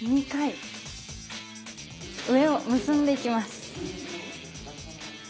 上を結んでいきます。